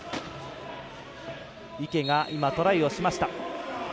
池が、トライをしました。